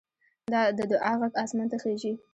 د دعا غږ اسمان ته خېژي